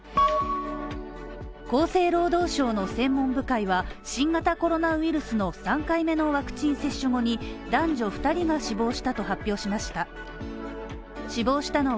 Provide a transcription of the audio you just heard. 厚生労働省の専門部会は、新型コロナウイルスの３回目のワクチン接種後に男女２人が死亡したと発表しました。